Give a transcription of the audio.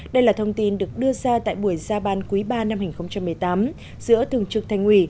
đây là thông tin được đưa ra tại buổi ra ban quý ba năm hai nghìn một mươi tám giữa thường trực thành ủy